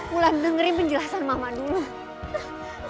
pula dengerin penjelasan mama dulu